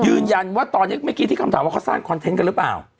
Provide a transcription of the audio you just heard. ยืนยันว่าตอนนี้เมื่อกี้ที่คำถามว่าเขาสร้างคอนเทนต์กันหรือเปล่า